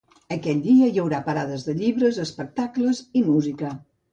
Aquell dia hi haurà parades de llibres, espectacles i música.